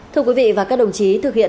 thưa quý vị và các đồng chí